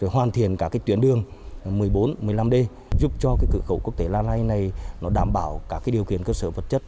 hoàn thiện cả tuyến đường một mươi bốn một mươi năm d giúp cho cửa khẩu quốc tế lalay này đảm bảo các điều kiện cơ sở vật chất